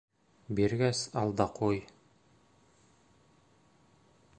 Биргәс, ал да ҡуй.